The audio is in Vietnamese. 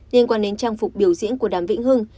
liên quan đến trang phục biểu diễn của đàm vĩnh hưng